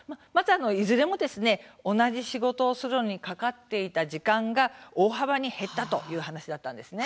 いずれも同じ仕事をするのにかかっていた時間が大幅に減ったという話だったんです。